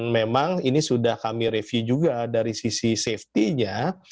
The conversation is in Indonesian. memang ini sudah kami review juga dari sisi safety nya